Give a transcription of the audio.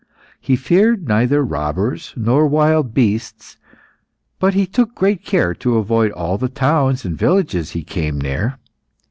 He feared neither robbers nor wild beasts, but he took great care to avoid all the towns and villages he came near.